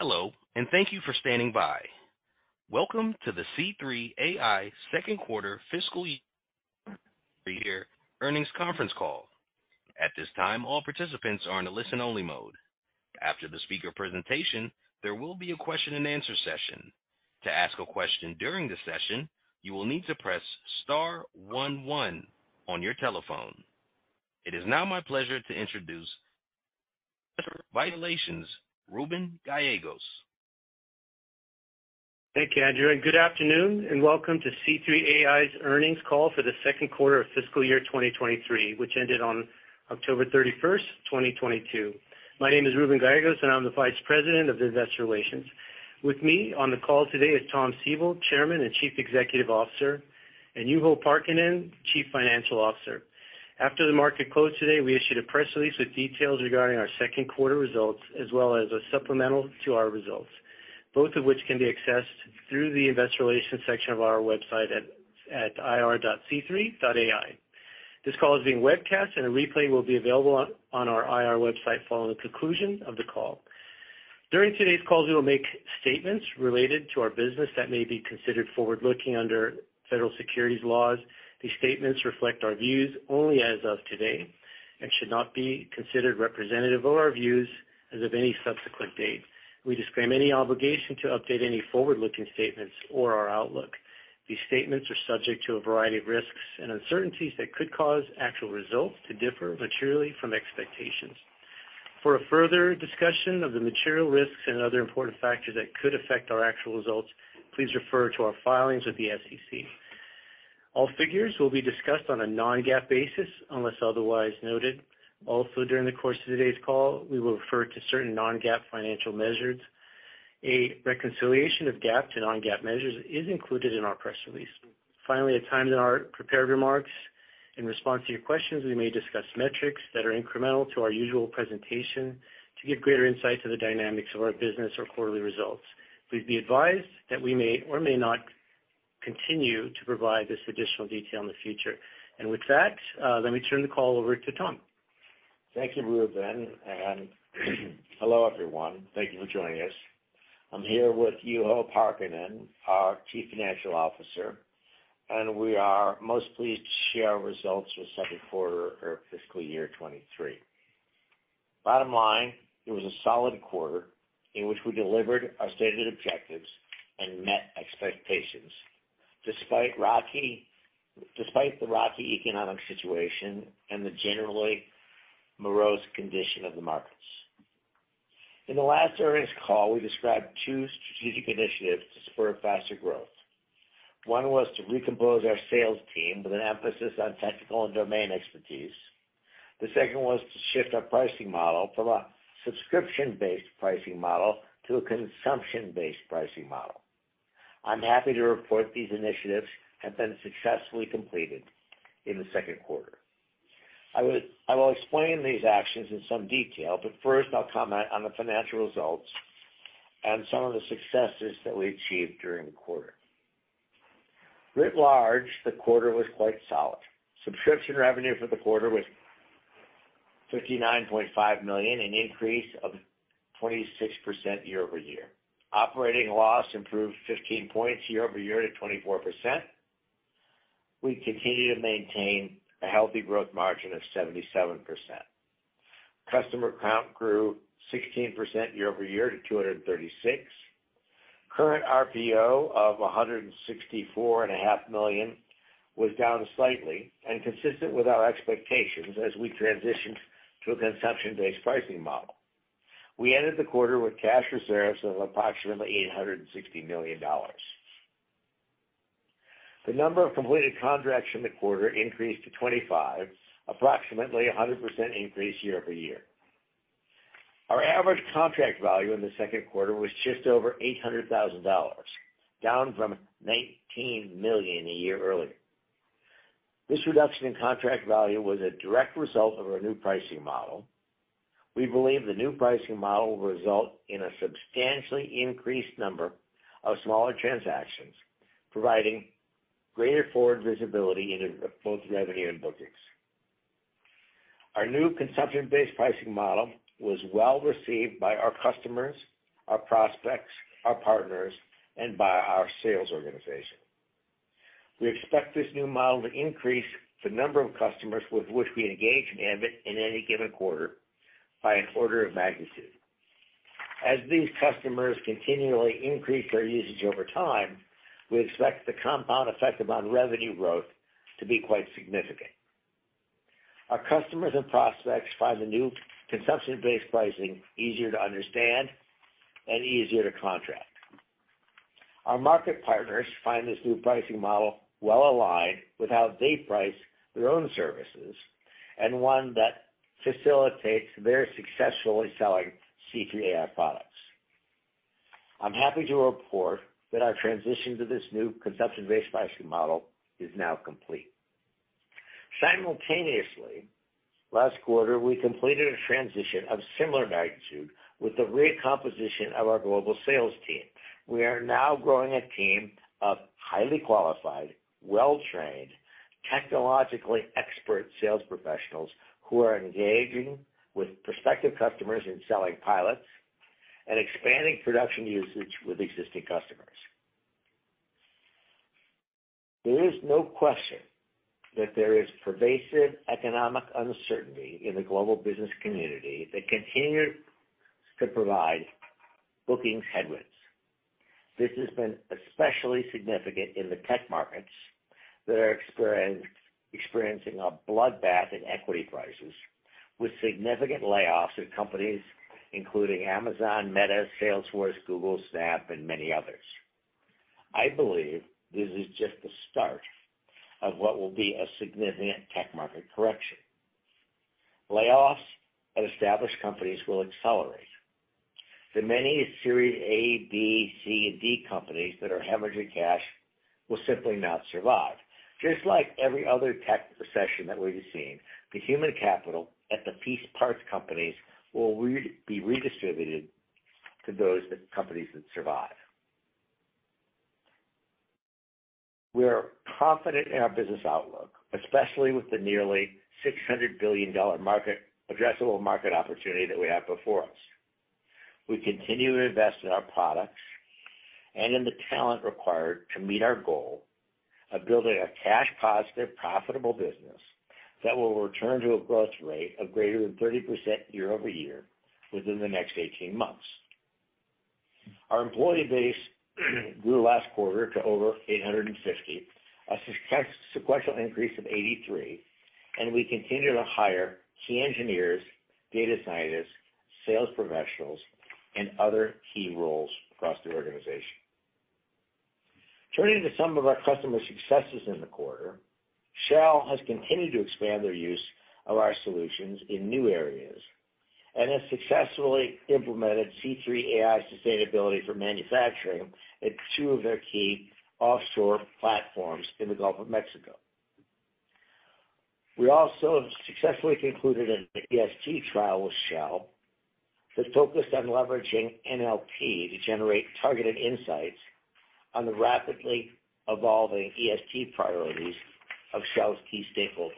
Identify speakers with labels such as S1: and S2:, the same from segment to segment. S1: Hello, thank you for standing by. Welcome to the C3.ai second quarter fiscal year earnings conference call. At this time, all participants are in a listen-only mode. After the speaker presentation, there will be a question-and-answer session. To ask a question during the session, you will need to press star one one on your telephone. It is now my pleasure to introduce Relations Reuben Gallegos.
S2: Thank you, Andrew. Good afternoon and welcome to C3.ai's earnings call for the second quarter of fiscal year 2023, which ended on October 31st, 2022. My name is Reuben Gallegos, and I'm the Vice President of Investor Relations. With me on the call today is Tom Siebel, Chairman and Chief Executive Officer, and Juho Parkkinen, Chief Financial Officer. After the market closed today, we issued a press release with details regarding our second quarter results as well as a supplemental to our results, both of which can be accessed through the investor relations section of our website at ir.c3.ai. This call is being webcast and a replay will be available on our IR website following the conclusion of the call. During today's call, we will make statements related to our business that may be considered forward-looking under federal securities laws. These statements reflect our views only as of today and should not be considered representative of our views as of any subsequent date. We disclaim any obligation to update any forward-looking statements or our outlook. These statements are subject to a variety of risks and uncertainties that could cause actual results to differ materially from expectations. For a further discussion of the material risks and other important factors that could affect our actual results, please refer to our filings with the SEC. All figures will be discussed on a non-GAAP basis, unless otherwise noted. During the course of today's call, we will refer to certain non-GAAP financial measures. A reconciliation of GAAP to non-GAAP measures is included in our press release. Finally, at times in our prepared remarks, in response to your questions, we may discuss metrics that are incremental to our usual presentation to give greater insight to the dynamics of our business or quarterly results. Please be advised that we may or may not continue to provide this additional detail in the future. With that, let me turn the call over to Tom.
S3: Thank you, Reuben. Hello, everyone. Thank you for joining us. I'm here with Juho Parkkinen, our Chief Financial Officer, and we are most pleased to share our results for second quarter of fiscal year 2023. Bottom line, it was a solid quarter in which we delivered our stated objectives and met expectations despite the rocky economic situation and the generally morose condition of the markets. In the last earnings call, we described two strategic initiatives to spur faster growth. One was to recompose our sales team with an emphasis on technical and domain expertise. The second was to shift our pricing model from a subscription-based pricing model to a consumption-based pricing model. I'm happy to report these initiatives have been successfully completed in the second quarter. I will explain these actions in some detail, but first I'll comment on the financial results and some of the successes that we achieved during the quarter. Writ large, the quarter was quite solid. Subscription revenue for the quarter was $59.5 million, an increase of 26% year-over-year. Operating loss improved 15 points year-over-year to 24%. We continue to maintain a healthy growth margin of 77%. Customer count grew 16% year-over-year to 236. Current RPO of $164.5 million was down slightly and consistent with our expectations as we transitioned to a consumption-based pricing model. We ended the quarter with cash reserves of approximately $860 million. The number of completed contracts in the quarter increased to 25, approximately a 100% increase year-over-year. Our average contract value in the second quarter was just over $800,000, down from $19 million a year earlier. This reduction in contract value was a direct result of our new pricing model. We believe the new pricing model will result in a substantially increased number of smaller transactions, providing greater forward visibility in both revenue and bookings. Our new consumption-based pricing model was well received by our customers, our prospects, our partners, and by our sales organization. We expect this new model to increase the number of customers with which we engage in Ambit in any given quarter by an order of magnitude. As these customers continually increase their usage over time, we expect the compound effect upon revenue growth to be quite significant. Our customers and prospects find the new consumption-based pricing easier to understand and easier to contract. Our market partners find this new pricing model well aligned with how they price their own services and one that facilitates their successfully selling C3 AI products. I'm happy to report that our transition to this new consumption-based pricing model is now complete. Simultaneously, last quarter we completed a transition of similar magnitude with the recomposition of our global sales team. We are now growing a team of highly qualified, well-trained, technologically expert sales professionals who are engaging with prospective customers in selling pilots and expanding production usage with existing customers. There is no question that there is pervasive economic uncertainty in the global business community that continues to provide bookings headwinds. This has been especially significant in the tech markets that are experiencing a bloodbath in equity prices, with significant layoffs at companies including Amazon, Meta, Salesforce, Google, Snap, and many others. I believe this is just the start of what will be a significant tech market correction. Layoffs at established companies will accelerate. The many Series A, B, C, and D companies that are hemorrhaging cash will simply not survive. Just like every other tech recession that we've seen, the human capital at the piece parts companies will be redistributed to those companies that survive. We are confident in our business outlook, especially with the nearly $600 billion addressable market opportunity that we have before us. We continue to invest in our products and in the talent required to meet our goal of building a cash positive, profitable business that will return to a growth rate of greater than 30% year-over-year within the next 18 months. Our employee base grew last quarter to over 850, a sequential increase of 83, and we continue to hire key engineers, data scientists, sales professionals, and other key roles across the organization. Turning to some of our customer successes in the quarter. Shell has continued to expand their use of our solutions in new areas and has successfully implemented C3 AI ESG for manufacturing at two of their key offshore platforms in the Gulf of Mexico. We also have successfully concluded an ESG trial with Shell that focused on leveraging NLP to generate targeted insights on the rapidly evolving ESG priorities of Shell's key stakeholders.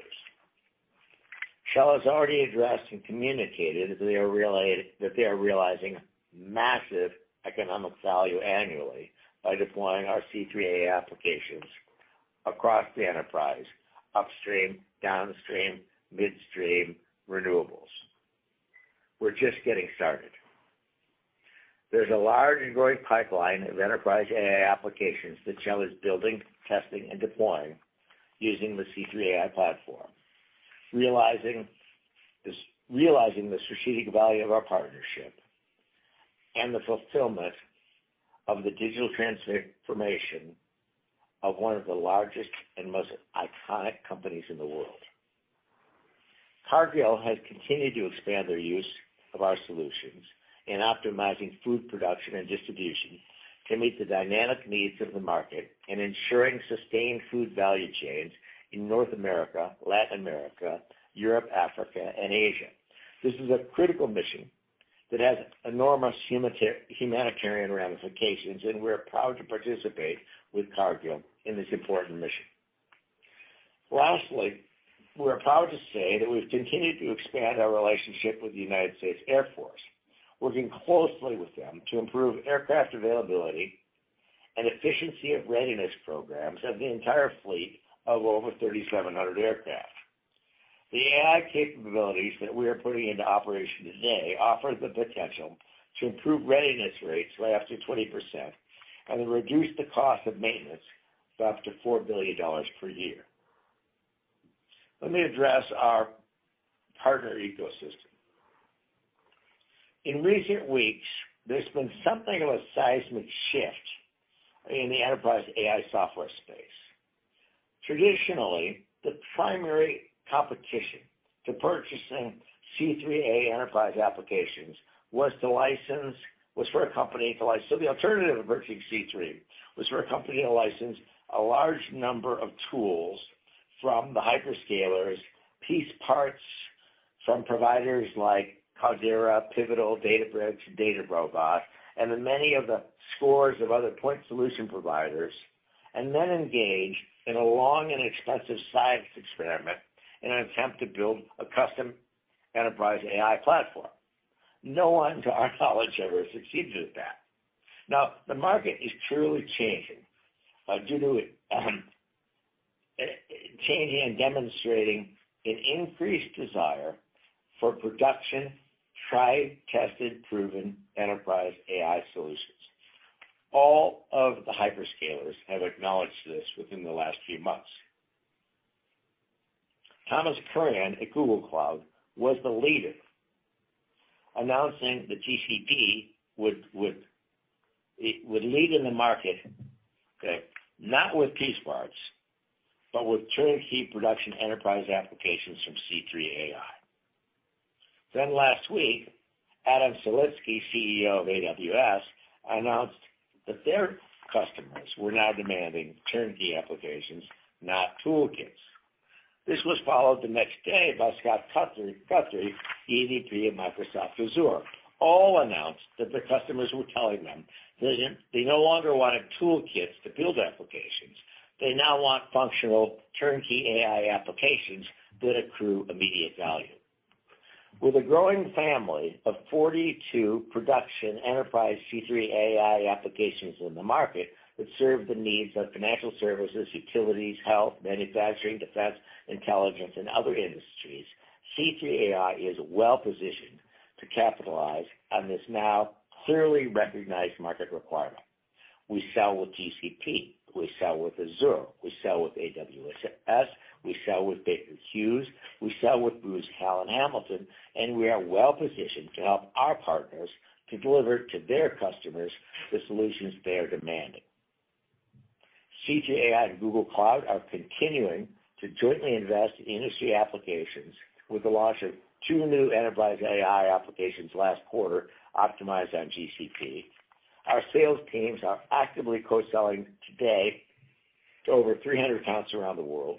S3: Shell has already addressed and communicated that they are realizing massive economic value annually by deploying our C3 AI applications across the enterprise, upstream, downstream, midstream renewables. We're just getting started. There's a large and growing pipeline of enterprise AI applications that Shell is building, testing, and deploying using the C3 AI Platform, realizing the strategic value of our partnership and the fulfillment of the digital transformation of one of the largest and most iconic companies in the world. Cargill has continued to expand their use of our solutions in optimizing food production and distribution to meet the dynamic needs of the market and ensuring sustained food value chains in North America, Latin America, Europe, Africa, and Asia. This is a critical mission that has enormous humanitarian ramifications, and we are proud to participate with Cargill in this important mission. Lastly, we're proud to say that we've continued to expand our relationship with the United States Air Force, working closely with them to improve aircraft availability and efficiency of readiness programs of the entire fleet of over 3,700 aircraft. The AI capabilities that we are putting into operation today offer the potential to improve readiness rates by up to 20% and reduce the cost of maintenance by up to $4 billion per year. Let me address our partner ecosystem. In recent weeks, there's been something of a seismic shift in the enterprise AI software space. Traditionally, the primary competition to purchasing C3 AI enterprise applications was to license was for a company to license... The alternative of purchasing C3 AI was for a company to license a large number of tools from the hyperscalers, piece parts from providers like Cloudera, Pivotal, Databricks, DataRobot, and the many of the scores of other point solution providers, and then engage in a long and expensive science experiment in an attempt to build a custom Enterprise AI platform. No one, to our knowledge, ever succeeded with that. The market is truly changing, due to changing and demonstrating an increased desire for production, tried, tested, proven Enterprise AI solutions. All of the hyperscalers have acknowledged this within the last few months. Thomas Kurian at Google Cloud was the leader announcing that GCP would lead in the market, okay, not with piece parts, but with turnkey production enterprise applications from C3 AI. Last week, Adam Selipsky, CEO of AWS, announced that their customers were now demanding turnkey applications, not toolkits. This was followed the next day by Scott Guthrie, EVP of Microsoft Azure, announced that their customers were telling them that they no longer wanted toolkits to build applications. They now want functional turnkey AI applications that accrue immediate value. With a growing family of 42 production enterprise C3 AI applications in the market that serve the needs of financial services, utilities, health, manufacturing, defense, intelligence, and other industries, C3 AI is well-positioned to capitalize on this now clearly recognized market requirement. We sell with GCP, we sell with Azure, we sell with AWS, we sell with Baker Hughes, we sell with Booz Allen Hamilton, and we are well-positioned to help our partners to deliver to their customers the solutions they are demanding. C3 AI and Google Cloud are continuing to jointly invest in industry applications with the launch of two new enterprise AI applications last quarter optimized on GCP. Our sales teams are actively co-selling today to over 300 accounts around the world.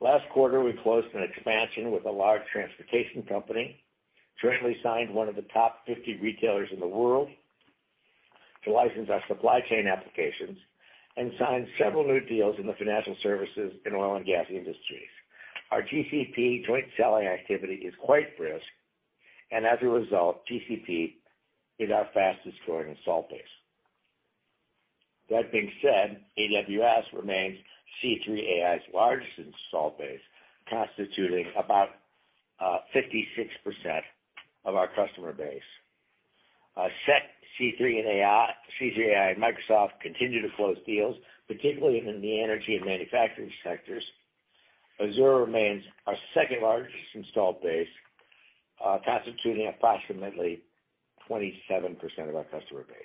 S3: Last quarter, we closed an expansion with a large transportation company, currently signed one of the top 50 retailers in the world to license our supply chain applications, and signed several new deals in the financial services and oil and gas industries. As a result, GCP is our fastest-growing install base. That being said, AWS remains C3 AI's largest install base, constituting about 56% of our customer base. C3 AI and Microsoft continue to close deals, particularly in the energy and manufacturing sectors. Azure remains our second-largest installed base, constituting approximately 27% of our customer base.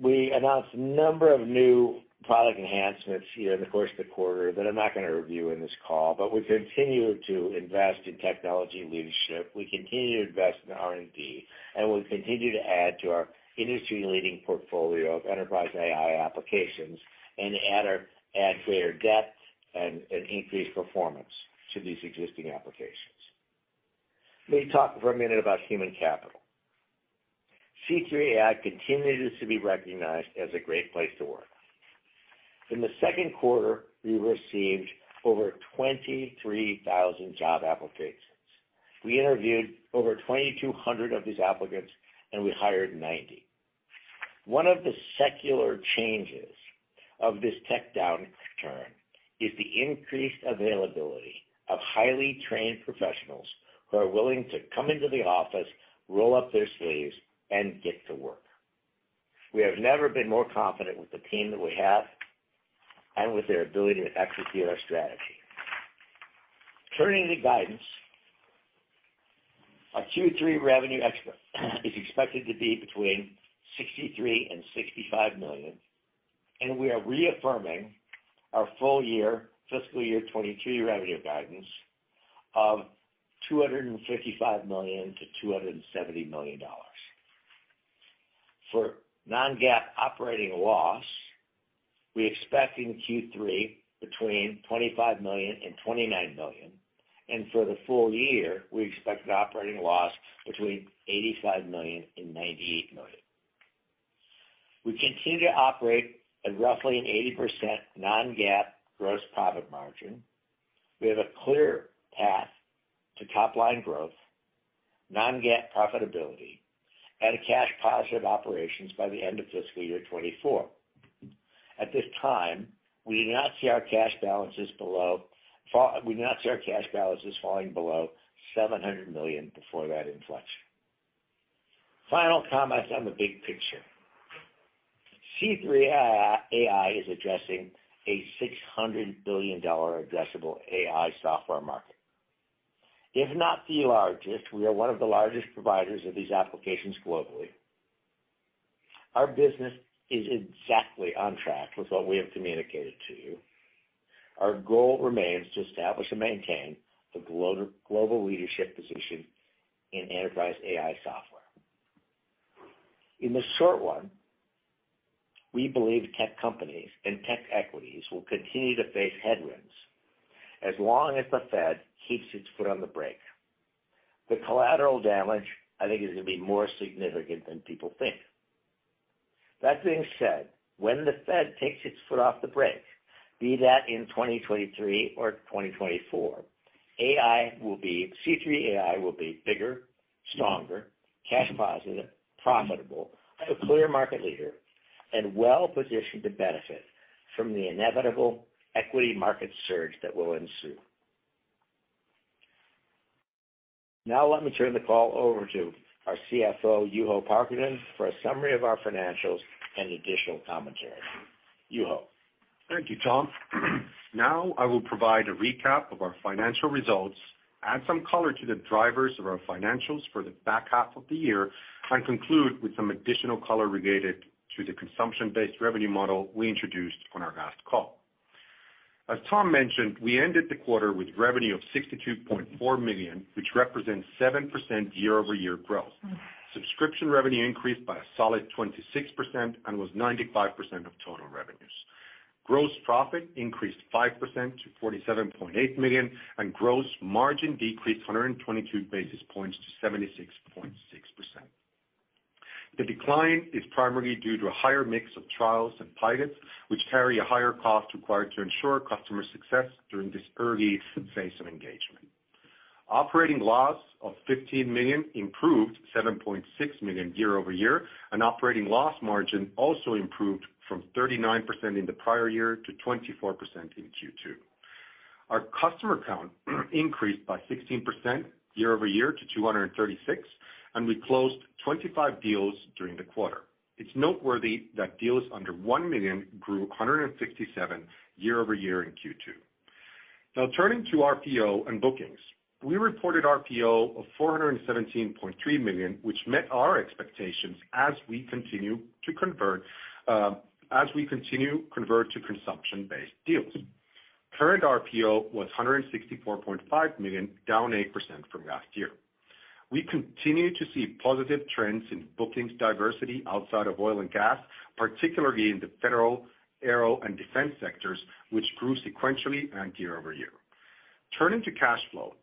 S3: We announced a number of new product enhancements here in the course of the quarter that I'm not gonna review in this call. We continue to invest in technology leadership, we continue to invest in R&D, and we continue to add to our industry-leading portfolio of enterprise AI applications and add greater depth and increased performance to these existing applications. Let me talk for a minute about human capital. C3 AI continues to be recognized as a great place to work. In the second quarter, we received over 23,000 job applications. We interviewed over 2,200 of these applicants, and we hired 90. One of the secular changes of this tech downturn is the increased availability of highly trained professionals who are willing to come into the office, roll up their sleeves, and get to work. We have never been more confident with the team that we have and with their ability to execute our strategy. Turning to guidance, our Q3 revenue is expected to be between $63 million and $65 million, and we are reaffirming our full year, fiscal year 2022 revenue guidance of $255 million to $270 million. For non-GAAP operating loss, we expect in Q3 between $25 million and $29 million, and for the full year, we expect an operating loss between $85 million and $98 million. We continue to operate at roughly an 80% non-GAAP gross profit margin. We have a clear path to top-line growth, non-GAAP profitability, and a cash positive operations by the end of fiscal year 2024. At this time, we do not see our cash balances falling below $700 million before that inflection. Final comments on the big picture. C3 AI is addressing a $600 billion addressable AI software market. If not the largest, we are one of the largest providers of these applications globally. Our business is exactly on track with what we have communicated to you. Our goal remains to establish and maintain the global leadership position in enterprise AI software. In the short run, we believe tech companies and tech equities will continue to face headwinds as long as the Fed keeps its foot on the brake. The collateral damage, I think, is gonna be more significant than people think. That being said, when the Fed takes its foot off the brake, be that in 2023 or 2024, C3 AI will be bigger, stronger, cash positive, profitable, a clear market leader, and well-positioned to benefit from the inevitable equity market surge that will ensue. Now let me turn the call over to our CFO, Juho Parkkinen, for a summary of our financials and additional commentary. Juho.
S4: Thank you, Tom. Now I will provide a recap of our financial results, add some color to the drivers of our financials for the back half of the year, and conclude with some additional color related to the consumption-based revenue model we introduced on our last call. As Tom mentioned, we ended the quarter with revenue of $62.4 million, which represents 7% year-over-year growth. Subscription revenue increased by a solid 26% and was 95% of total revenues. Gross profit increased 5% to $47.8 million, and gross margin decreased 122 basis points to 76.6%. The decline is primarily due to a higher mix of trials and pilots, which carry a higher cost required to ensure customer success during this early phase of engagement. Operating loss of $15 million improved $7.6 million year-over-year. Operating loss margin also improved from 39% in the prior year to 24% in Q2. Our customer count increased by 16% year-over-year to 236. We closed 25 deals during the quarter. It's noteworthy that deals under $1 million grew 167% year-over-year in Q2. Now turning to RPO and bookings. We reported RPO of $417.3 million, which met our expectations as we continue to convert to consumption-based deals. Current RPO was $164.5 million, down 8% from last year. We continue to see positive trends in bookings diversity outside of oil and gas, particularly in the federal, aero, and defense sectors, which grew sequentially and year-over-year. Turning to cash flow.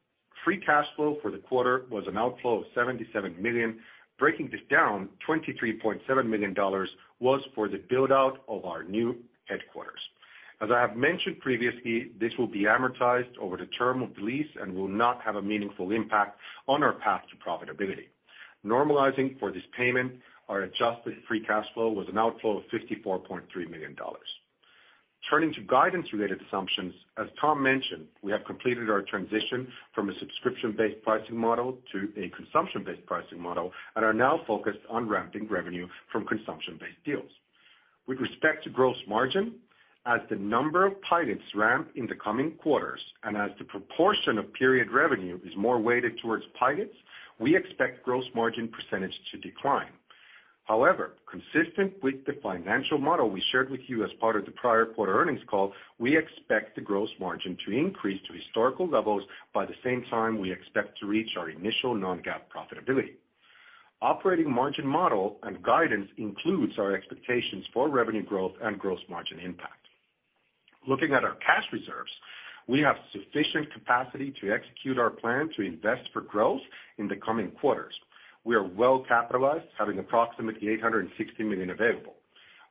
S4: Free cash flow for the quarter was an outflow of $77 million. Breaking this down, $23.7 million was for the build-out of our new headquarters. As I have mentioned previously, this will be amortized over the term of the lease and will not have a meaningful impact on our path to profitability. Normalizing for this payment, our adjusted free cash flow was an outflow of $54.3 million. Turning to guidance-related assumptions, as Tom mentioned, we have completed our transition from a subscription-based pricing model to a consumption-based pricing model and are now focused on ramping revenue from consumption-based deals. With respect to gross margin, as the number of pilots ramp in the coming quarters and as the proportion of period revenue is more weighted towards pilots, we expect gross margin percentage to decline. However, consistent with the financial model we shared with you as part of the prior quarter earnings call, we expect the gross margin to increase to historical levels by the same time we expect to reach our initial non-GAAP profitability. Operating margin model and guidance includes our expectations for revenue growth and gross margin impact. Looking at our cash reserves, we have sufficient capacity to execute our plan to invest for growth in the coming quarters. We are well capitalized, having approximately $860 million available.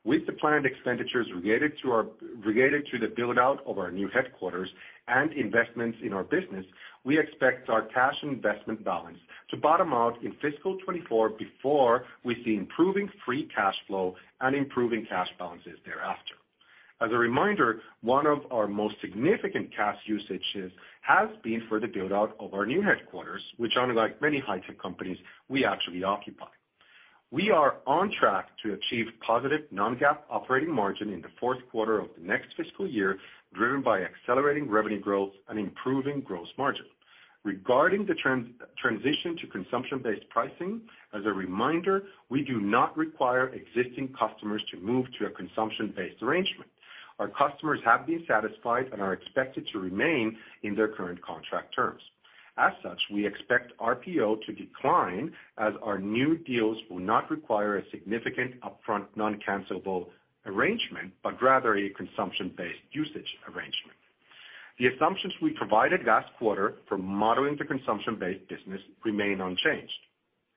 S4: With the planned expenditures related to the build-out of our new headquarters and investments in our business, we expect our cash investment balance to bottom out in fiscal 2024 before we see improving free cash flow and improving cash balances thereafter. As a reminder, one of our most significant cash usages has been for the build-out of our new headquarters, which unlike many high-tech companies, we actually occupy. We are on track to achieve positive non-GAAP operating margin in the fourth quarter of the next fiscal year, driven by accelerating revenue growth and improving gross margin. Regarding the transition to consumption-based pricing, as a reminder, we do not require existing customers to move to a consumption-based arrangement. Our customers have been satisfied and are expected to remain in their current contract terms. As such, we expect RPO to decline as our new deals will not require a significant upfront non-cancelable arrangement, but rather a consumption-based usage arrangement. The assumptions we provided last quarter for modeling the consumption-based business remain unchanged.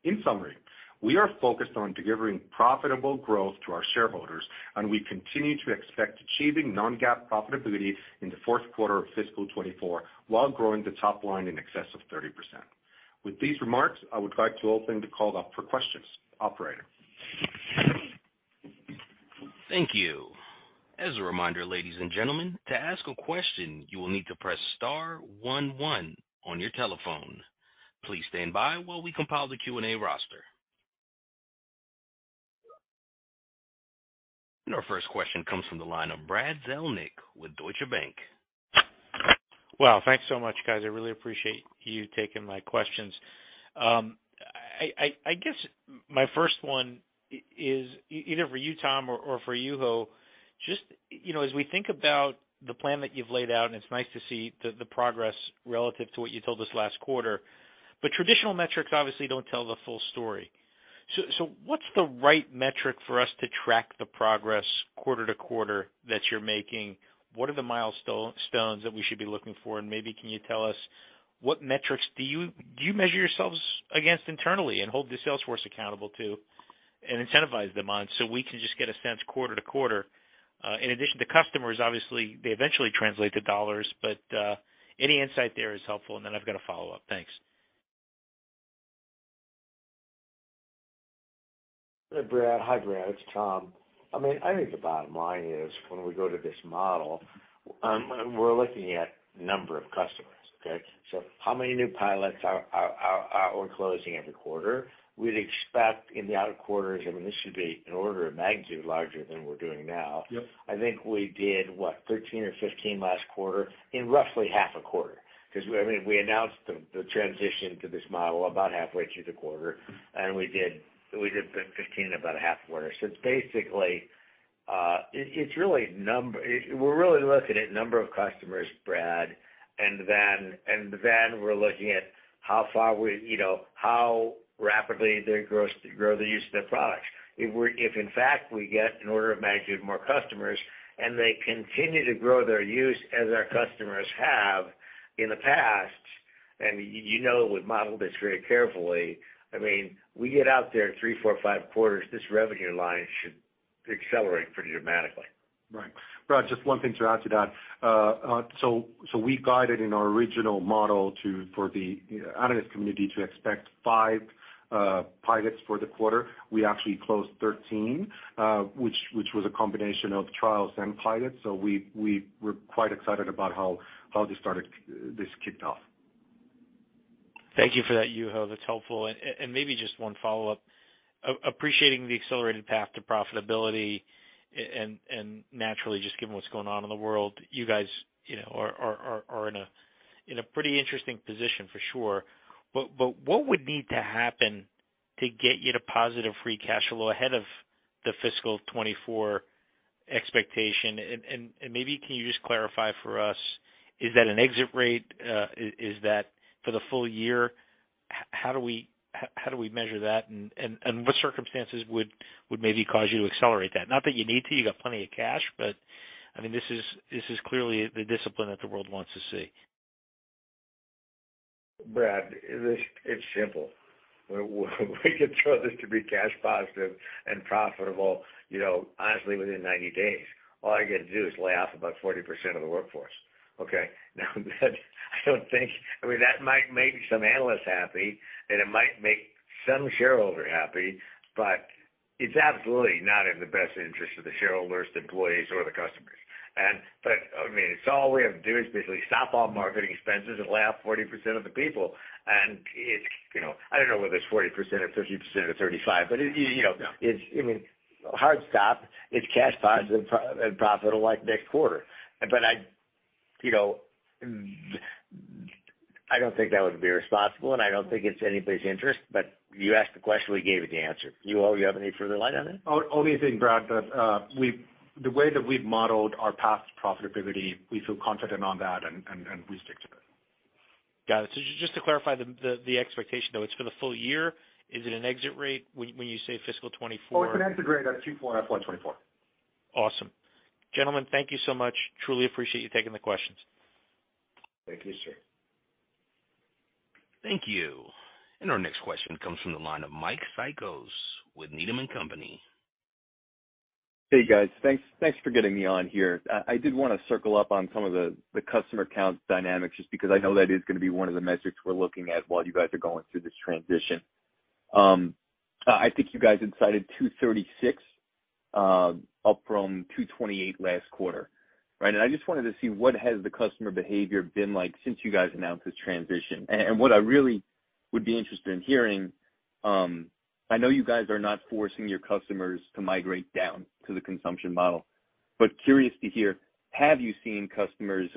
S4: In summary, we are focused on delivering profitable growth to our shareholders, and we continue to expect achieving non-GAAP profitability in the fourth quarter of fiscal 2024 while growing the top line in excess of 30%. With these remarks, I would like to open the call up for questions. Operator?
S1: Thank you. As a reminder, ladies and gentlemen, to ask a question, you will need to press star one one on your telephone. Please stand by while we compile the Q&A roster. Our first question comes from the line of Brad Zelnick with Deutsche Bank.
S5: Well, thanks so much, guys. I really appreciate you taking my questions. I guess my first one is either for you, Tom, or for Juho. You know, as we think about the plan that you've laid out, and it's nice to see the progress relative to what you told us last quarter, but traditional metrics obviously don't tell the full story. What's the right metric for us to track the progress quarter to quarter that you're making? What are the milestones that we should be looking for? Maybe can you tell us what metrics do you measure yourselves against internally and hold the sales force accountable to and incentivize them on so we can just get a sense quarter to quarter? In addition to customers, obviously, they eventually translate to dollars, but any insight there is helpful. I've got a follow-up. Thanks.
S3: Hey, Brad. Hi, Brad. It's Tom. I mean, I think the bottom line is when we go to this model, we're looking at number of customers, okay? How many new pilots are we closing every quarter? We'd expect in the outer quarters, I mean, this should be an order of magnitude larger than we're doing now.
S5: Yep.
S3: I think we did, what, 13 or 15 last quarter in roughly half a quarter because, I mean, we announced the transition to this model about halfway through the quarter, and we did 15 in about a half quarter. So it's basically We're really looking at number of customers, Brad, and then we're looking at how far we, you know, how rapidly their grow the use of their products. If in fact we get an order of magnitude more customers, and they continue to grow their use as our customers have in the past, you know we've modeled this very carefully. I mean, we get out there three, four, five quarters, this revenue line should accelerate pretty dramatically.
S4: Right. Brad, just one thing to add to that. We guided in our original model for the analyst community to expect five pilots for the quarter. We actually closed 13, which was a combination of trials and pilots. We're quite excited about how this started this kicked off.
S5: Thank you for that, Juho. That's helpful. And maybe just one follow-up. Appreciating the accelerated path to profitability and naturally, just given what's going on in the world, you guys, you know, are in a pretty interesting position for sure. What would need to happen to get you to positive free cash flow ahead of the fiscal 2024 expectation? Maybe can you just clarify for us, is that an exit rate? Is that for the full year? How do we measure that? What circumstances would maybe cause you to accelerate that? Not that you need to, you got plenty of cash, but, I mean, this is clearly the discipline that the world wants to see.
S3: Brad, it's simple. We can throw this to be cash positive and profitable, you know, honestly, within 90 days. All I gotta do is lay off about 40% of the workforce, okay? Now, I don't think. I mean, that might make some analysts happy, and it might make some shareholder happy, but it's absolutely not in the best interest of the shareholders, the employees or the customers. I mean, it's all we have to do is basically stop all marketing expenses and lay off 40% of the people. It's, you know, I don't know whether it's 40% or 50% or 35%, but, you know, it's, I mean, hard stop, it's cash positive and profitable like next quarter. I, you know, I don't think that would be responsible, and I don't think it's anybody's interest. You asked the question, we gave you the answer. Juho, you have any further light on that?
S4: Only a thing, Brad, that the way that we've modeled our path to profitability, we feel confident on that and we stick to that.
S5: Got it. Just to clarify the expectation, though, it's for the full year. Is it an exit rate when you say fiscal 2024?
S4: Oh, it's an exit rate at Q4 and at 2024.
S5: Awesome. Gentlemen, thank you so much. Truly appreciate you taking the questions.
S3: Thank you, sir.
S1: Thank you. Our next question comes from the line of Mike Cikos with Needham & Company.
S6: Hey, guys. Thanks for getting me on here. I did want to circle up on some of the customer counts dynamics, just because I know that is going to be one of the metrics we're looking at while you guys are going through this transition. I think you guys had cited 236, up from 228 last quarter, right? I just wanted to see what has the customer behavior been like since you guys announced this transition. What I really would be interested in hearing, I know you guys are not forcing your customers to migrate down to the consumption model, but curious to hear, have you seen customers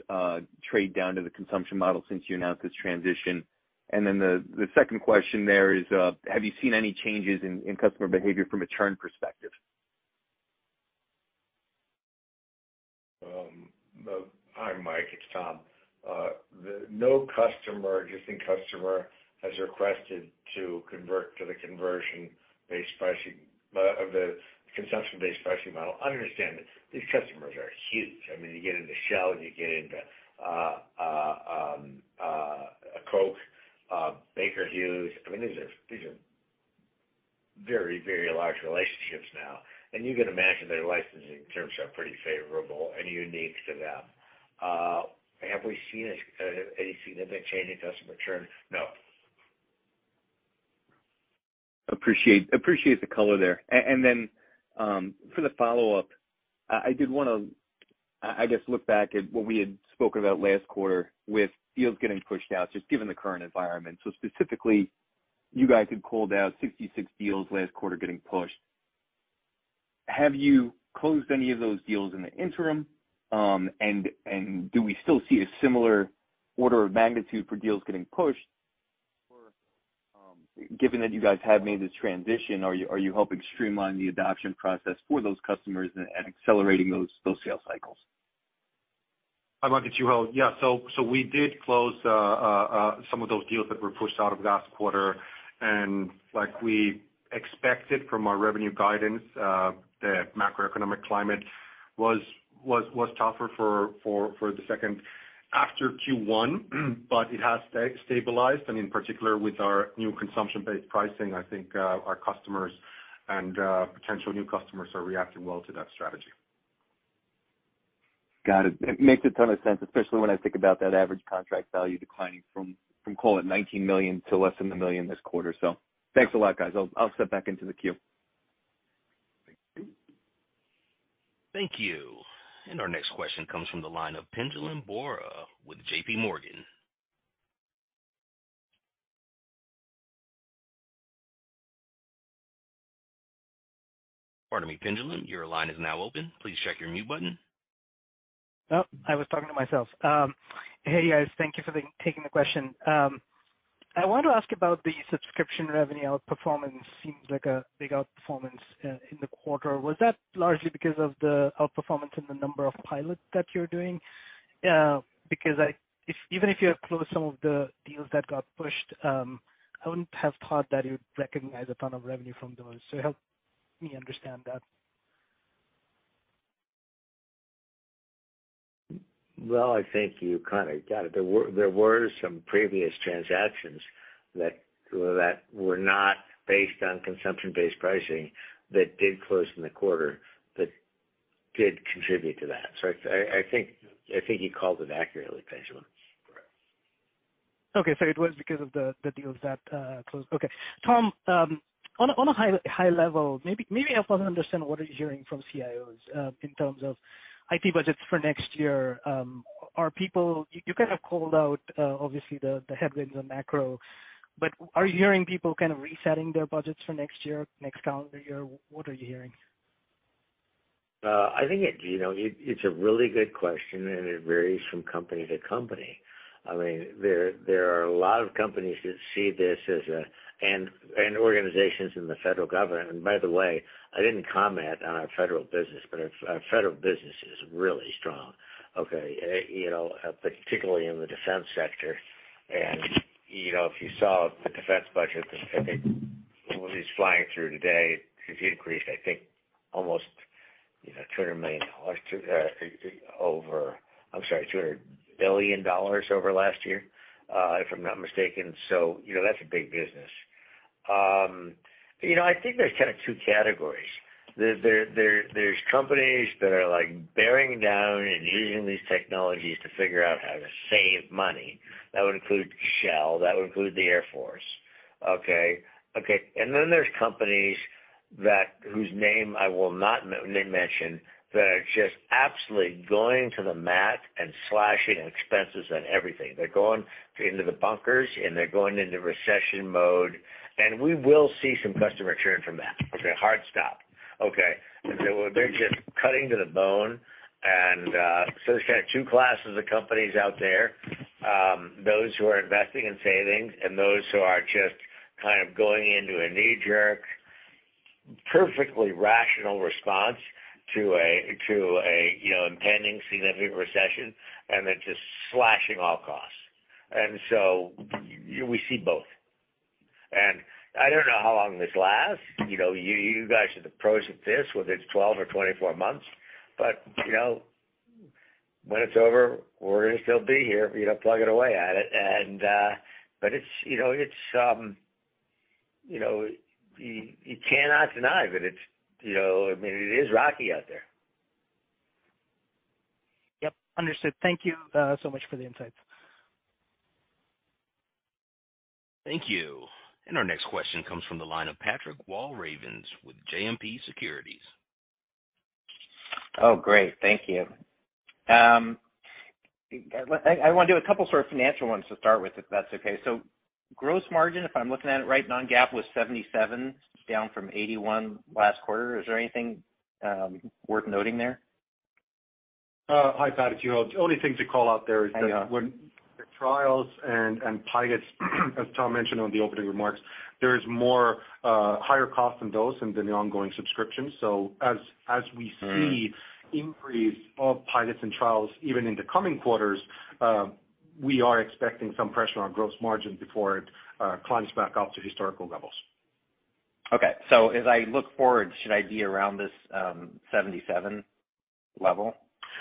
S6: trade down to the consumption model since you announced this transition? The second question there is, have you seen any changes in customer behavior from a churn perspective?
S3: Hi, Mike, it's Tom. No customer, existing customer has requested to convert to the consumption-based pricing model. Understand that these customers are huge. I mean, you get into Shell, you get into Coke, Baker Hughes. I mean, these are very, very large relationships now. You can imagine their licensing terms are pretty favorable and unique to them. Have we seen any significant change in customer churn? No.
S6: Appreciate the color there. For the follow-up, I did wanna, I guess, look back at what we had spoken about last quarter with deals getting pushed out, just given the current environment. Specifically, you guys had called out 66 deals last quarter getting pushed. Have you closed any of those deals in the interim? Do we still see a similar order of magnitude for deals getting pushed? Given that you guys have made this transition, are you helping streamline the adoption process for those customers and accelerating those sales cycles?
S4: Hi, Mike, it's Juho. We did close some of those deals that were pushed out of last quarter. Like we expected from our revenue guidance, the macroeconomic climate was tougher for the second after Q1, but it has stabilized. In particular, with our new consumption-based pricing, I think, our customers and potential new customers are reacting well to that strategy.
S6: Got it. It makes a ton of sense, especially when I think about that average contract value declining from call it $19 million to less than $1 million this quarter. Thanks a lot, guys. I'll step back into the queue.
S3: Thank you.
S1: Thank you. Our next question comes from the line of Pinjalim Bora with JPMorgan. Pardon me, Pinjalim, your line is now open. Please check your mute button.
S7: Oh, I was talking to myself. Hey guys, thank you for taking the question. I want to ask about the subscription revenue outperformance. Seems like a big outperformance in the quarter. Was that largely because of the outperformance in the number of pilots that you're doing? Because even if you have closed some of the deals that got pushed, I wouldn't have thought that you'd recognize a ton of revenue from those, so help me understand that.
S3: Well, I think you kinda got it. There were some previous transactions that were not based on consumption-based pricing that did close in the quarter that did contribute to that. I think you called it accurately, Pinjalim Bora.
S7: Okay. It was because of the deals that closed. Okay. Tom, on a high, high level, maybe help us understand what are you hearing from CIOs in terms of IT budgets for next year. You kind of called out, obviously the headwinds on macro, but are you hearing people kind of resetting their budgets for next year, next calendar year? What are you hearing?
S3: I think it, you know, it's a really good question, and it varies from company to company. I mean, there are a lot of companies that see this as a... organizations in the federal government. By the way, I didn't comment on our federal business, but our federal business is really strong. Okay? You know, particularly in the defense sector. You know, if you saw the defense budget, it, well, it's flying through today. It increased, I think, almost, you know, $200 million, over... I'm sorry, $200 billion over last year, if I'm not mistaken. You know, that's a big business. You know, I think there's kinda two categories. There's companies that are like bearing down and using these technologies to figure out how to save money. That would include Shell, that would include the United States Air Force. Okay? Okay. Then there's companies that, whose name I will not mention, that are just absolutely going to the mat and slashing expenses on everything. They're going into the bunkers, they're going into recession mode, we will see some customer churn from that. Okay, hard stop. Okay. They're just cutting to the bone. There's kind of two classes of companies out there, those who are investing in savings and those who are just kind of going into a knee-jerk, perfectly rational response to a, you know, impending significant recession, they're just slashing all costs. We see both. I don't know how long this lasts. You know, you guys are the pros at this, whether it's 12 or 24 months. You know, when it's over, we're gonna still be here, you know, plugging away at it. It's, you know, it's, you know, you cannot deny that it's, you know. I mean, it is rocky out there.
S7: Yep. Understood. Thank you, so much for the insight.
S1: Thank you. Our next question comes from the line of Patrick Walravens with JMP Securities.
S8: Oh, great. Thank you. I wanna do a couple sort of financial ones to start with, if that's okay. Gross margin, if I'm looking at it right, non-GAAP was 77%, down from 81% last quarter. Is there anything, worth noting there?
S4: Hi, Patrick. You know, the only thing to call out there is that,
S8: Hang on.
S4: when the trials and pilots, as Tom mentioned on the opening remarks, there is more, higher cost in those than the ongoing subscriptions. As we see increase of pilots and trials even in the coming quarters, we are expecting some pressure on gross margin before it climbs back up to historical levels.
S8: Okay. As I look forward, should I be around this $77 level?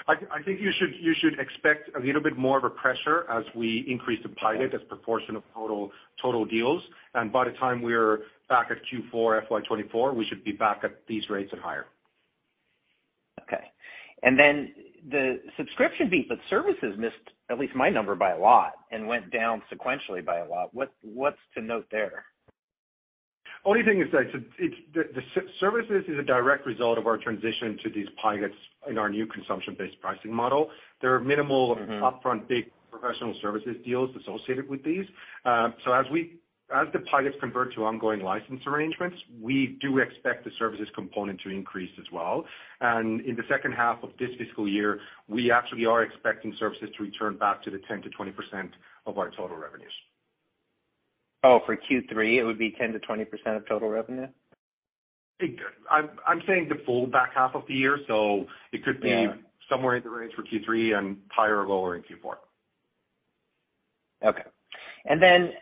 S4: I think you should expect a little bit more of a pressure as we increase the pilots as proportion of total deals. By the time we're back at Q4 FY 2024, we should be back at these rates and higher.
S8: Okay. The subscription beat, but services missed at least my number by a lot and went down sequentially by a lot. What's to note there?
S4: Only thing is that it's the services is a direct result of our transition to these pilots in our new consumption-based pricing model. There are minimal upfront, big professional services deals associated with these. As the pilots convert to ongoing license arrangements, we do expect the services component to increase as well. In the second half of this fiscal year, we actually are expecting services to return back to the 10%-20% of our total revenues.
S8: Oh, for Q3, it would be 10%-20% of total revenue?
S4: I'm saying the full back half of the year, so it could be-
S8: Yeah.
S4: somewhere in the range for Q3 and higher or lower in Q4.
S8: Okay. Then,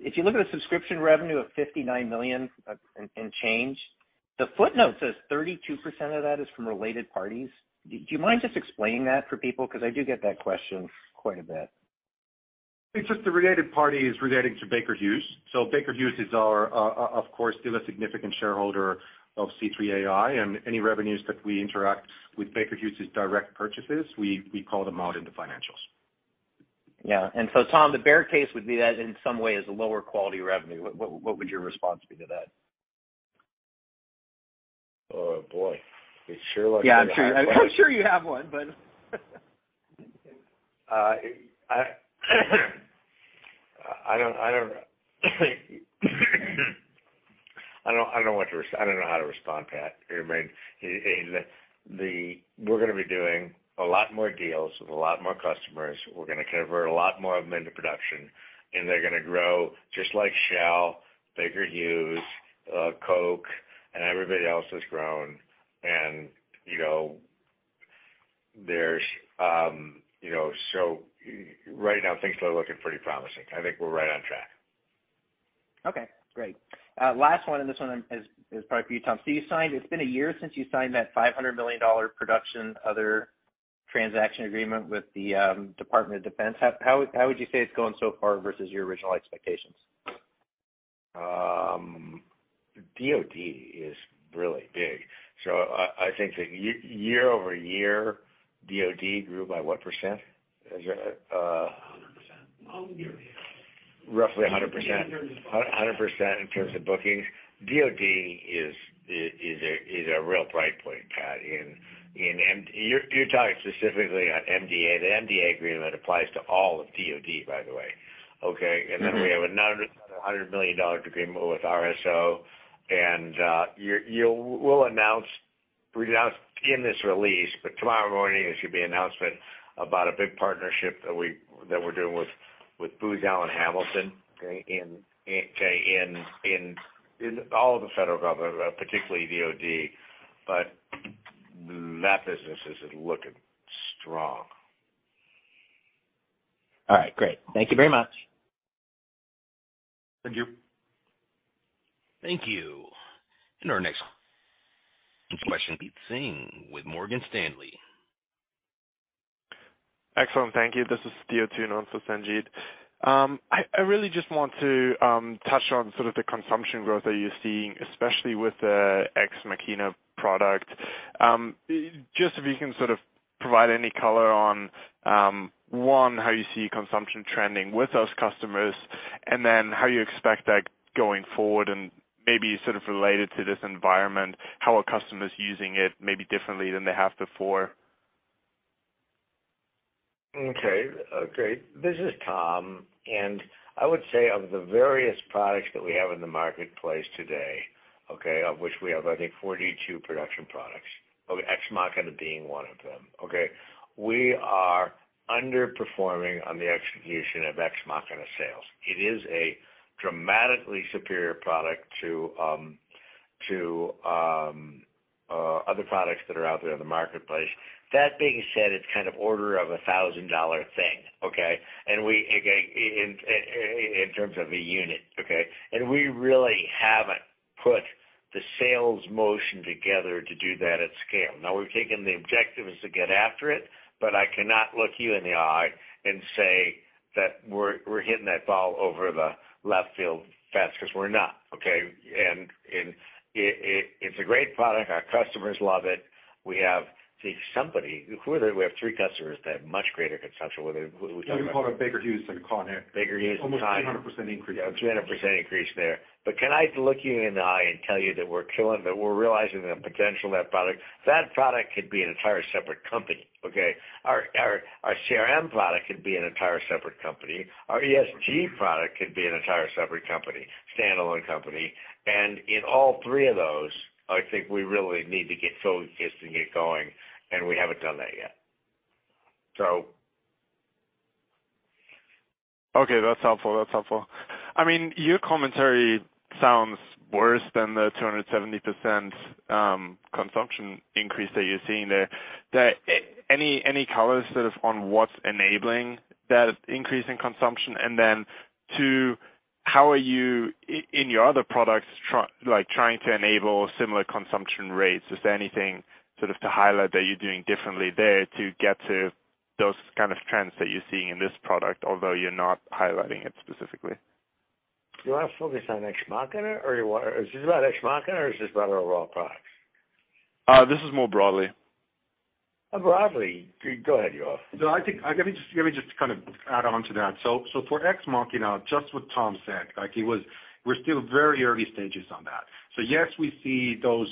S8: if you look at the subscription revenue of $59 million and change, the footnote says 32% of that is from related parties. Do you mind just explaining that for people? Because I do get that question quite a bit.
S4: It's just the related parties relating to Baker Hughes. Baker Hughes is our, of course, still a significant shareholder of C3 AI, and any revenues that we interact with Baker Hughes' direct purchases, we call them out in the financials.
S8: Yeah. Tom, the bear case would be that in some way is a lower quality revenue. What would your response be to that?
S3: Oh, boy.
S8: Yeah, I'm sure. I'm sure you have one, but...
S3: I don't know how to respond, Pat. I mean, we're gonna be doing a lot more deals with a lot more customers. We're gonna convert a lot more of them into production, and they're gonna grow just like Shell, Baker Hughes, Coke, and everybody else has grown. you know, there's, you know. Right now things are looking pretty promising. I think we're right on track.
S8: Great. Last one, this one is probably for you, Tom. You signed... It's been a year since you signed that $500 million production, other transaction agreement with the Department of Defense. How would you say it's going so far versus your original expectations?
S3: DoD is really big. I think the year-over-year, DoD grew by what percent? Is that?
S4: 100%. Well, nearly.
S3: Roughly 100%. A 100% in terms of bookings. DoD is a real bright point, Pat. You're talking specifically on MDA. The MDA agreement applies to all of DoD, by the way, okay?
S8: Mm-hmm.
S3: We have another $100 million agreement with RSO. We'll announce, we announced in this release, but tomorrow morning there should be an announcement about a big partnership that we're doing with Booz Allen Hamilton, okay? In all of the federal government, particularly DoD. That business is looking strong.
S8: All right, great. Thank you very much.
S4: Thank you.
S1: Thank you. Our next question, Sanjit Singh with Morgan Stanley.
S9: Excellent. Thank you. This is Theo Thun on for Sanjit. I really just want to touch on sort of the consumption growth that you're seeing, especially with the Ex Machina product. Just if you can sort of provide any color on, one, how you see consumption trending with those customers? And then how you expect that going forward? And maybe sort of related to this environment, how are customers using it maybe differently than they have before?
S3: Ok. Great. This is Tom. And I would say, of the various products that we have in the marketplace today, Ok, of which we have, I think, 42 production products, Ex Machina being one of them? We are underperforming on the execution of Ex Machina sales. It is a dramatically superior product to other products that are out there in the marketplace. That big set, it's kind of order of $1,000 thing, in terms of the unit? And we really haven't put the sales motion together to do that at scale. Now we've taken the objectives to get after it, but I cannot look you in the eye and say, that we're hitting that ball over the left field fast, because we're not? And it's a great product. Our customers love it. We have somebody, we have three customers that have much greater consumption whether-
S4: Baker Hughes and Con Edison almost 300% increase.
S3: 300% increase there. But can I look you in and tell you that we're killing, that we're realizing the potential of that product, that product could be an entire separate company? Our CRM product could be an entire separate company, our ESG product could be an entire separate company, stand-alone company. And in all three of those, I think we really need to get focused and get going, and we haven't done that yet.
S9: OK. That's helpful. I mean, your commentary sounds worse than the 270% consumption increase that you're seeing there. Any color sort of on what's enabling that increase in consumption? And then two, how are you -- in your other products, like trying to enable similar consumption rates, is there anything sort of to highlight that you're doing differently there to get to those kind of trends that you're seeing in this product, although you're not highlighting it specifically?
S3: Do you want to focus on Ex Machina or is it about Ex Machina or is this about overall products?
S9: This is more broadly
S3: More broadly. Go ahead, Juho.
S4: Let me just kind of add on to that. For Ex Machina, just what Tom said, we're still very early stages on that. Yes, we see those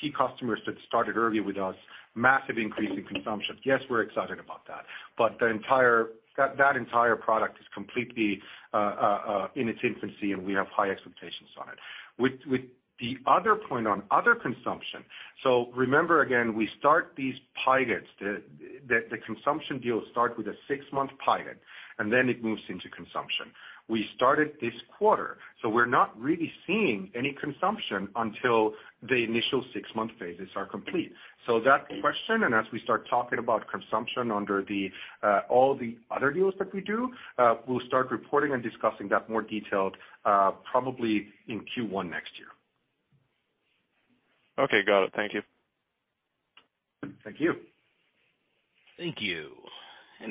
S4: key customers that started early with us, massive increase in consumption. Yes, we're excited about that. The entire, that entire product is completely in its infancy, and we have high expectations on it. With the other point on other consumption, remember again, we start these pilots. The consumption deals start with a six-month pilot, and then it moves into consumption. We started this quarter, we're not really seeing any consumption until the initial six-month phases are complete. That question, and as we start talking about consumption under the all the other deals that we do, we'll start reporting and discussing that more detailed, probably in Q1 next year.
S9: Okay, got it. Thank you.
S4: Thank you.
S1: Thank you.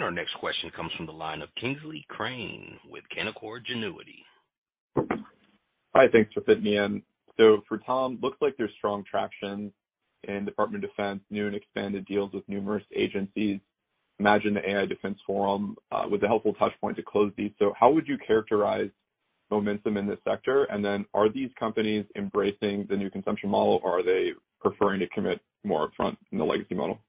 S1: Our next question comes from the line of Kingsley Crane with Canaccord Genuity.
S10: Hi. Thanks for fitting me in. For Tom, looks like there's strong traction in Department of Defense, new and expanded deals with numerous agencies. Imagine the AI Defense Forum with a helpful touchpoint to close these. How would you characterize momentum in this sector? Are these companies embracing the new consumption model, or are they preferring to commit more upfront in the legacy model?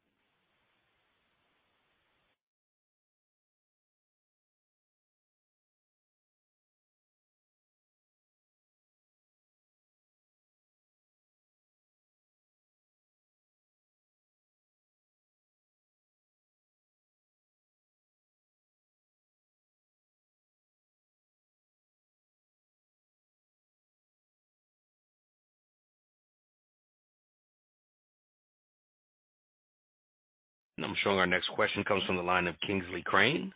S1: I'm showing our next question comes from the line of Kingsley Crane.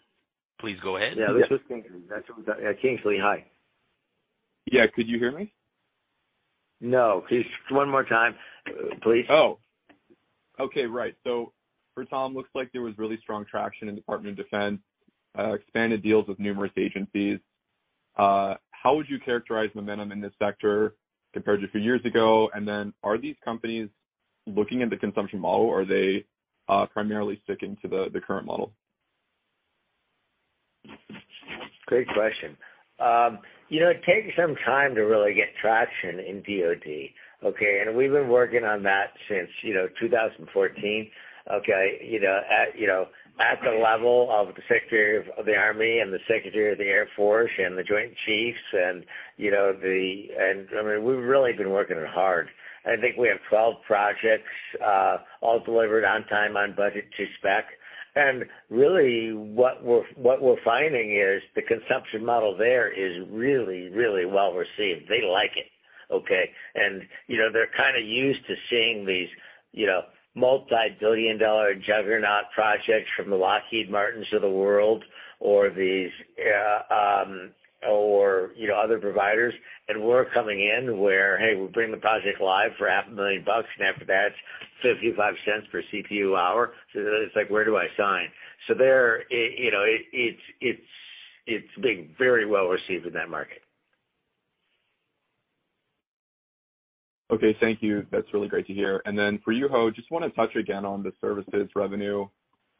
S1: Please go ahead.
S3: Yeah, this was Kingsley. Kingsley, hi.
S10: Yeah, could you hear me?
S3: No. Please, one more time, please.
S10: Oh, okay. Right. For Tom, looks like there was really strong traction in Department of Defense, expanded deals with numerous agencies. How would you characterize momentum in this sector compared to a few years ago? Are these companies looking at the consumption model or are they primarily sticking to the current model?
S3: Great question. You know, it takes some time to really get traction in DoD, okay? We've been working on that since, you know, 2014, okay? You know, at the level of the Secretary of the Army and the Secretary of the Air Force and the Joint Chiefs. I mean, we've really been working hard. I think we have 12 projects, all delivered on time, on budget to spec. Really what we're, what we're finding here is the consumption model there is really, really well received. They like it, okay? You know, they're kinda used to seeing these, you know, multi-billion dollar juggernaut projects from the Lockheed Martins of the world or other providers. We're coming in where, hey, we're bringing the project live for half a million dollars, and after that, $0.55 per CPU hour. It's like, where do I sign? There, it, you know, it's being very well received in that market.
S10: Okay. Thank you. That's really great to hear. For you, Ho, just wanna touch again on the services revenue.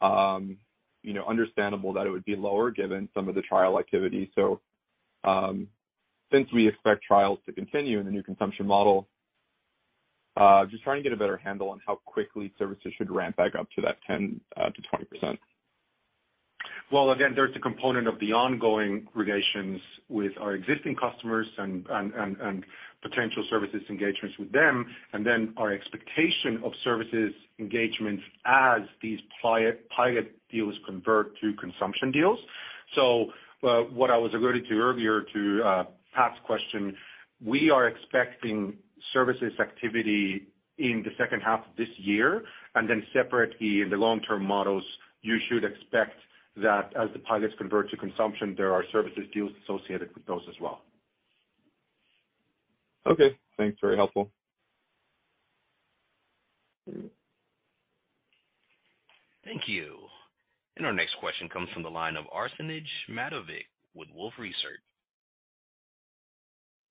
S10: You know, understandable that it would be lower given some of the trial activity. Since we expect trials to continue in the new consumption model, just trying to get a better handle on how quickly services should ramp back up to that 10%-20%.
S4: Well, again, there's a component of the ongoing relations with our existing customers and potential services engagements with them, and then our expectation of services engagements as these pilot deals convert to consumption deals. What I was referring to earlier to Pat's question, we are expecting services activity in the second half of this year. Separately in the long-term models, you should expect that as the pilots convert to consumption, there are services deals associated with those as well.
S10: Okay. Thanks, very helpful.
S1: Thank you. Our next question comes from the line of Arsenije Matovic with Wolfe Research.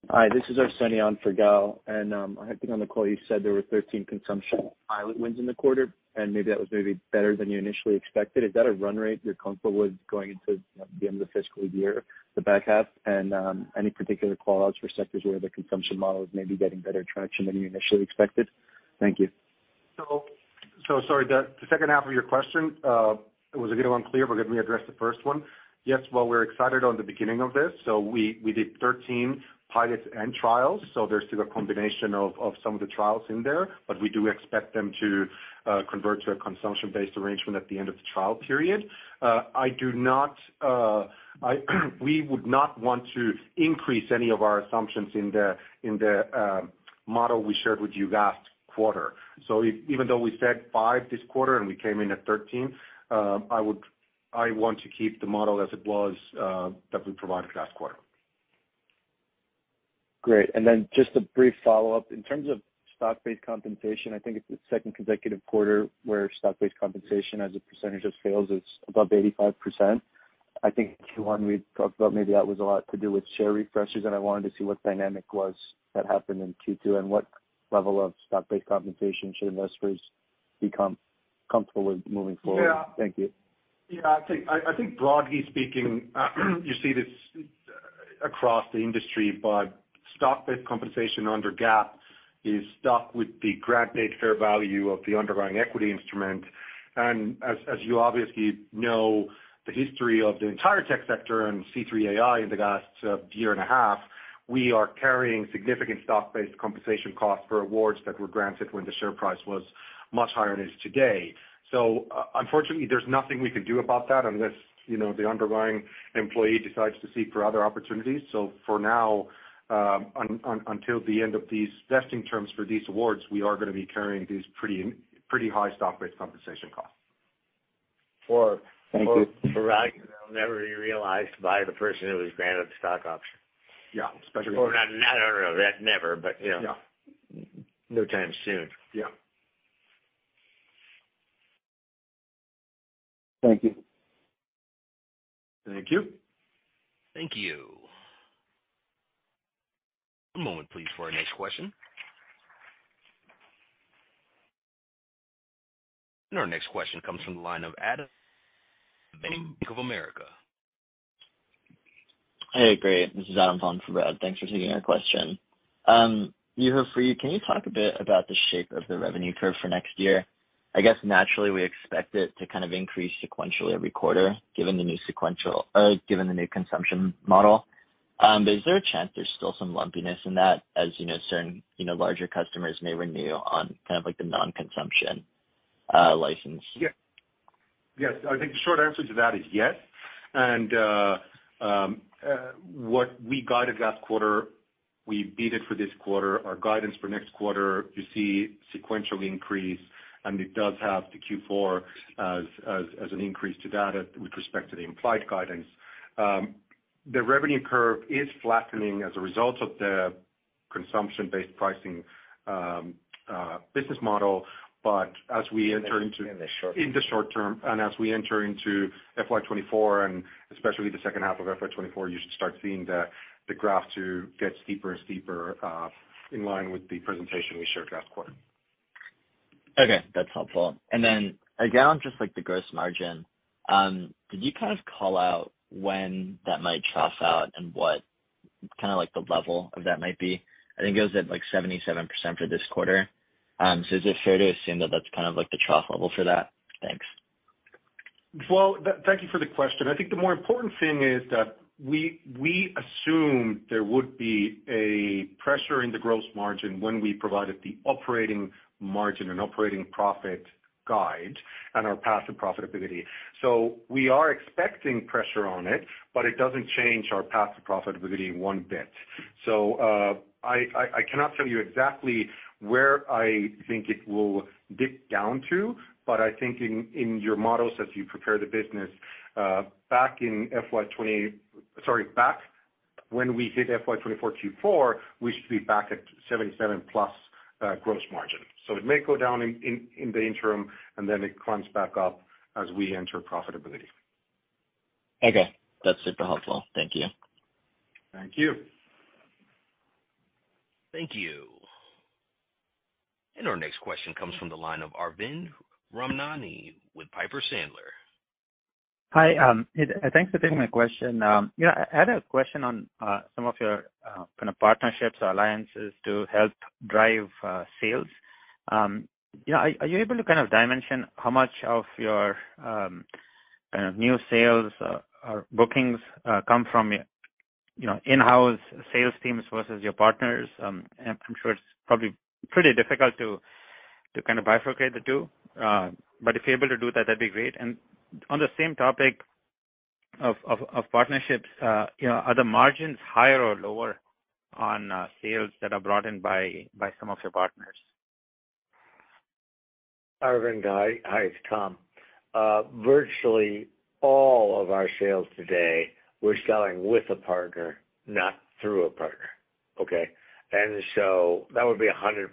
S11: Hi, this is Arsenije on for Gal. I think on the call you said there were 13 consumption pilot wins in the quarter, and maybe that was maybe better than you initially expected. Is that a run rate you're comfortable with going into the end of the fiscal year, the back half? Any particular call outs for sectors where the consumption model is maybe getting better traction than you initially expected? Thank you.
S4: Sorry, the second half of your question, it was a bit unclear, but let me address the first one. Yes, well, we're excited on the beginning of this. We did 13 pilots and trials, so there's still a combination of some of the trials in there, but we do expect them to convert to a consumption-based arrangement at the end of the trial period. I do not, we would not want to increase any of our assumptions in the model we shared with you last quarter. Even though we said five this quarter and we came in at 13, I want to keep the model as it was that we provided last quarter.
S11: Great. Just a brief follow-up. In terms of stock-based compensation, I think it's the second consecutive quarter where stock-based compensation as a percentage of sales is above 85%. I think in Q1 we talked about maybe that was a lot to do with share refreshes, and I wanted to see what dynamic was that happened in Q2 and what level of stock-based compensation should investors become comfortable with moving forward?
S4: Yeah.
S11: Thank you.
S4: I think, I think broadly speaking, you see this across the industry, but stock-based compensation under GAAP is stock with the grant date fair value of the underlying equity instrument. As, as you obviously know, the history of the entire tech sector and C3.ai in the last year and a half, we are carrying significant stock-based compensation costs for awards that were granted when the share price was much higher than it is today. Unfortunately, there's nothing we can do about that unless, you know, the underlying employee decides to seek for other opportunities. For now, until the end of these vesting terms for these awards, we are gonna be carrying these pretty high stock-based compensation costs.
S11: Thank you.
S3: for values that will never be realized by the person who was granted the stock option.
S4: Yeah.
S3: Not, I don't know, never, but you know.
S4: Yeah.
S3: No time soon.
S4: Yeah.
S11: Thank you.
S4: Thank you.
S1: Thank you. One moment please for our next question. Our next question comes from the line of Adam [Bergere] from Bank of America.
S12: Hey, great. This is Adam on for Brad. Thanks for taking our question. Juho, for you, can you talk a bit about the shape of the revenue curve for next year? I guess naturally we expect it to kind of increase sequentially every quarter given the new consumption model. Is there a chance there's still some lumpiness in that as, you know, certain, you know, larger customers may renew on kind of like the non-consumption license?
S4: Yes. Yes. I think the short answer to that is yes. What we guided last quarter, we beat it for this quarter. Our guidance for next quarter, you see sequential increase, and it does have the Q4 as an increase to that with respect to the implied guidance. The revenue curve is flattening as a result of the consumption-based pricing business model. As we enter into.
S12: In the short term.
S4: In the short term, and as we enter into FY 2024 and especially the second half of FY 2024, you should start seeing the graph to get steeper and steeper, in line with the presentation we showed last quarter.
S12: Okay, that's helpful. Again, on just like the gross margin, could you kind of call out when that might trough out and what kinda like the level of that might be? I think it was at like 77% for this quarter. Is it fair to assume that that's kind of like the trough level for that? Thanks.
S4: Thank you for the question. I think the more important thing is that we assumed there would be a pressure in the gross margin when we provided the operating margin and operating profit guide and our path to profitability. We are expecting pressure on it, but it doesn't change our path to profitability one bit. I cannot tell you exactly where I think it will dip down to, but I think in your models as you prepare the business back when we hit FY 2024 Q4, we should be back at 77%+ gross margin. It may go down in the interim, and then it climbs back up as we enter profitability.
S12: Okay. That's super helpful. Thank you.
S4: Thank you.
S1: Thank you. Our next question comes from the line of Arvind Ramnani with Piper Sandler.
S13: Hi. Thanks for taking my question. You know, I had a question on some of your kind of partnerships or alliances to help drive sales. You know, are you able to kind of dimension how much of your kind of new sales or bookings come from your, you know, in-house sales teams versus your partners? I'm sure it's probably pretty difficult to kind of bifurcate the two, but if you're able to do that'd be great. On the same topic of partnerships, you know, are the margins higher or lower on sales that are brought in by some of your partners?
S3: Arvind, hi. Hi, it's Tom. Virtually all of our sales today, we're selling with a partner, not through a partner. Okay? That would be 100%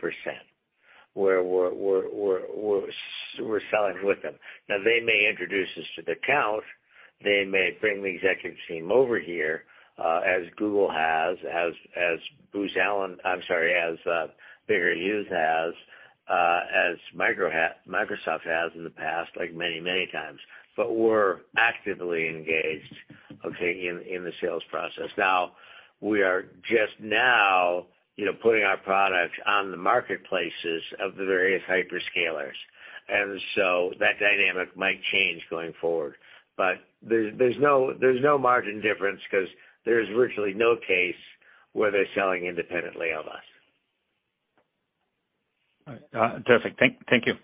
S3: where we're selling with them. They may introduce us to the account. They may bring the executive team over here, as Google has, as Booz Allen. I'm sorry, as Baker Hughes has, as Microsoft has in the past, like many, many times. We're actively engaged, okay, in the sales process. We are just now, you know, putting our products on the marketplaces of the various hyperscalers. That dynamic might change going forward. There's no margin difference 'cause there's virtually no case where they're selling independently of us.
S13: Perfect. Thank you.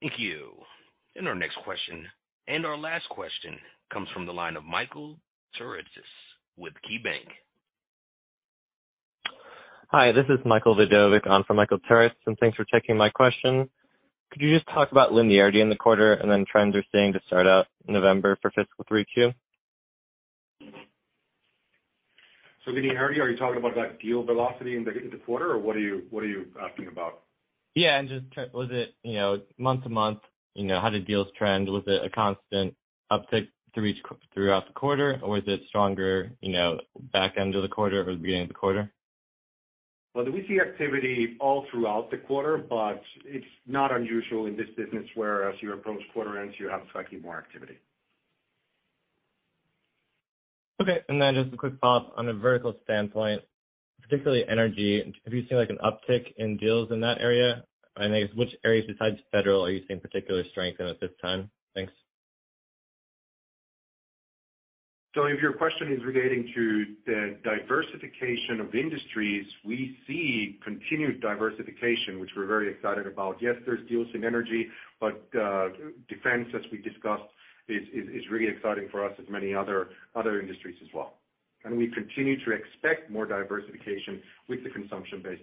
S1: Thank you. Our next question, and our last question, comes from the line of Michael Turits with KeyBanc Capital Markets.
S14: Hi, this is Michael Vidovic on for Michael Turits, and thanks for taking my question. Could you just talk about linearity in the quarter and then trends you're seeing to start out November for fiscal 3Q?
S4: Linearity, are you talking about like deal velocity in the quarter or what are you, what are you asking about?
S14: Yeah, Was it, you know, month-to-month, you know, how did deals trend? Was it a constant uptick to reach throughout the quarter or was it stronger, you know, back end of the quarter or the beginning of the quarter?
S4: Well, we see activity all throughout the quarter, but it's not unusual in this business where as you approach quarter ends you have slightly more activity.
S14: Okay. Then just a quick follow-up on a vertical standpoint, particularly energy, have you seen like an uptick in deals in that area? I guess which areas besides Federal are you seeing particular strength in at this time? Thanks.
S4: If your question is relating to the diversification of industries, we see continued diversification, which we're very excited about. Yes, there's deals in energy, but defense, as we discussed, is really exciting for us as many other industries as well. We continue to expect more diversification with the consumption-based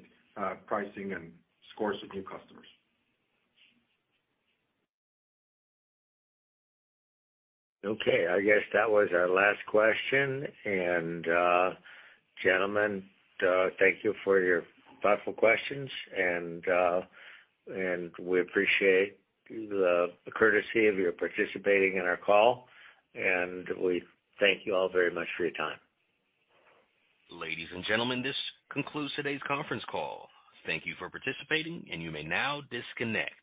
S4: pricing and scores of new customers.
S3: Okay. I guess that was our last question. Gentlemen, thank you for your thoughtful questions and we appreciate the courtesy of your participating in our call, and we thank you all very much for your time.
S1: Ladies and gentlemen, this concludes today's conference call. Thank you for participating and you may now disconnect.